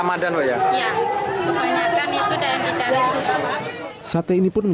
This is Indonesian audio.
satu rasanya yang lain dari sate seperti biasanya